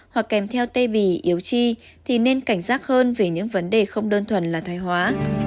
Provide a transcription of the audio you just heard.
hoặc kèm theo tê bì yếu chi thì nên cảnh giác hơn về những vấn đề không đơn thuần là thoái hóa